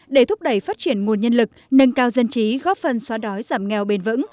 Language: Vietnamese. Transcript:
để thúc đẩy phát triển nguồn nhân lực nâng cao dân trí góp phần xóa đói giảm nghèo bền vững